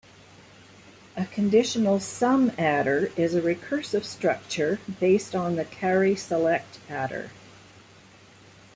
A conditional sum adder is a recursive structure based on the carry-select adder.